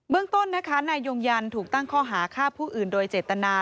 เบื้องต้นในยงยันถูกตั้งข้อหาฆ่าผู้อื่นโดยเจตนา